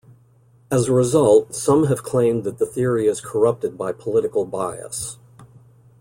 As a result, some have claimed that the theory is corrupted by political bias.